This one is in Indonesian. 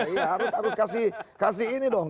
ya harus harus kasih ini dong